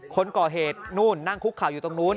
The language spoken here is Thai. คนก่อเหตุนู่นนั่งคุกเข่าอยู่ตรงนู้น